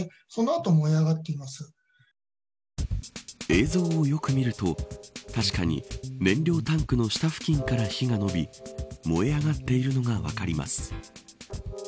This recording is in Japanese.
映像をよく見ると、確かに燃料タンクの下付近から火が延び燃え上がっているのが分かります。